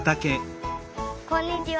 こんにちは。